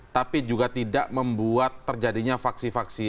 tapi juga tidak membuat terjadinya faksi faksi